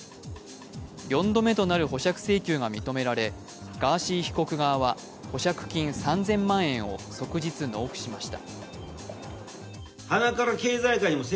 ４度目となる保釈請求が認められガーシー被告側は保釈金３０００万円を即日納付しました。